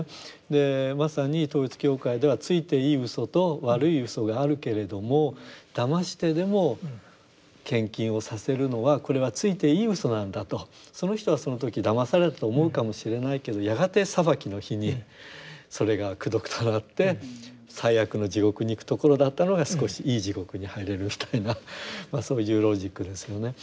でまさに統一教会ではついていい嘘と悪い嘘があるけれどもだましてでも献金をさせるのはこれはついていい嘘なんだとその人はその時だまされたと思うかもしれないけどやがて裁きの日にそれが功徳となって最悪の地獄に行くところだったのが少しいい地獄に入れるみたいなそういうロジックですよね。